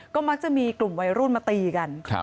ก็มักจะมีกลุ่มวัยรุ่นมาตีกัน